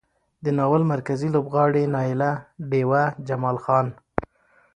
د ناول مرکزي لوبغاړي نايله، ډېوه، جمال خان،